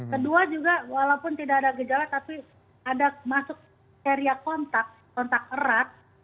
kedua juga walaupun tidak ada gejala tapi ada masuk area kontak kontak erat